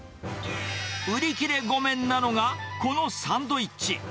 売り切れごめんなのが、このサンドイッチ。